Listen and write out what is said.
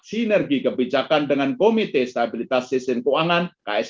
sinergi kebijakan dengan komite stabilitas sisi keuangan